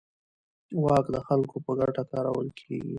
واک د خلکو په ګټه کارول کېږي.